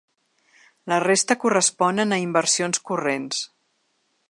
La resta corresponen a inversions corrents.